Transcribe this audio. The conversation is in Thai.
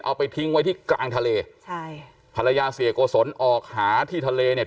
เอาไปทิ้งไว้ที่กลางทะเลใช่ภรรยาเสียโกศลออกหาที่ทะเลเนี่ย